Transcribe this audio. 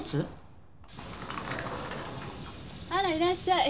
あらいらっしゃい。